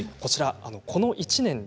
この１年で